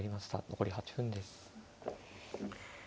残り８分です。